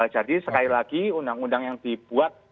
jadi sekali lagi undang undang yang dibuat